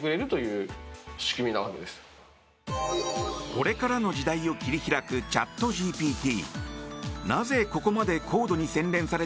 これからの時代を切り開くチャットＧＰＴ。